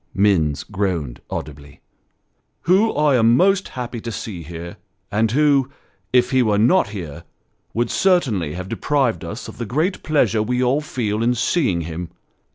Minns groaned audibly. " Who I am most happy to see here, and who, if he were not here, would certainly have deprived us of the great pleasure we all feel in seeing him.